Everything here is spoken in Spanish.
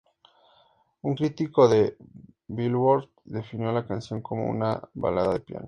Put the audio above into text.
Un crítico de "Billboard" definió la canción como una balada de piano.